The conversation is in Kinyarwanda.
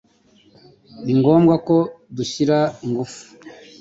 Ni ngombwa ko dushyira ingufu.